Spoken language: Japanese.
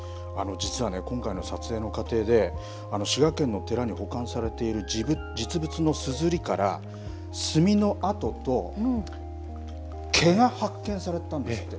今回の撮影の過程で滋賀県の寺に保管されている実物のすずりから墨の跡と毛が発見されたんです。